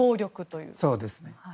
そうですね。